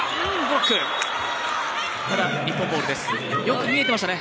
よく見えていましたね。